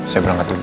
saya berangkat dulu